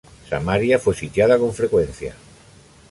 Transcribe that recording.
Samaria fue sitiada con frecuencia.